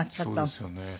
そうですよね。